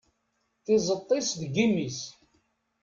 Tizeṭ-is deg imi-s.